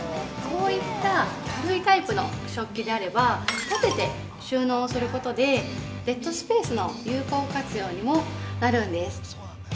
こういった、薄いタイプの食器であれば、立てて収納をすることで、デッドスペースの有効活用にもなるんです。